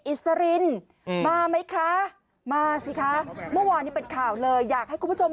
อิสรินมาไหมคะมาสิคะเมื่อวานนี้เป็นข่าวเลยอยากให้คุณผู้ชม